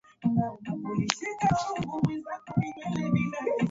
Alipofika nyumbani kwa Magreth kutafuta lile daftari walilolitumia Magreth na Debby